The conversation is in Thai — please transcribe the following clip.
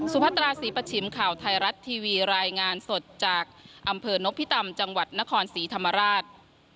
พัตราศรีประชิมข่าวไทยรัฐทีวีรายงานสดจากอำเภอนพิตำจังหวัดนครศรีธรรมราช